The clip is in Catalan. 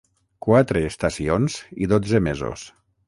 Quatre estacions i dotze mesos.